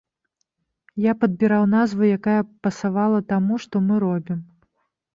Я падбіраў назву, якая б пасавала таму, што мы робім.